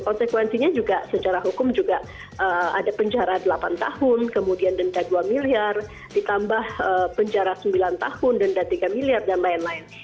konsekuensinya juga secara hukum juga ada penjara delapan tahun kemudian denda dua miliar ditambah penjara sembilan tahun denda tiga miliar dan lain lain